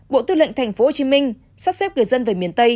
bộ tư lệnh tp hcm sắp xếp người dân về miền tây